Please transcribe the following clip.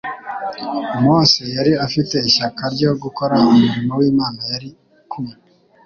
Mose yari afite ishyaka ryo gukora umurimo w'Imana yari kumwe